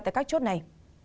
tại các chốt này